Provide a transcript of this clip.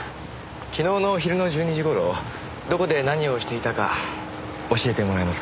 昨日の昼の１２時頃どこで何をしていたか教えてもらえますか？